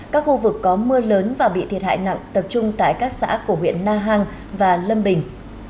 các khu vực có mưa lớn và bị thiệt hại nặng tập trung tại các xã của huyện na hàng và lâm bình